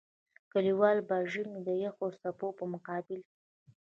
کلیوالو به د ژمي د يخو څپو په مقابل کې.